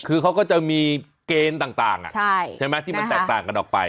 คือเขาก็จะมีเกณฑ์ต่างใช่ไหมที่มันแตกต่างกันออกไป